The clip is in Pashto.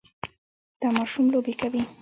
دا ماشوم لوبې کوي.